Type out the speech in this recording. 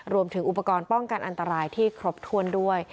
รวมถึงอุปกรณ์ป้องกันอันตรายที่ครบถ้วนด้วย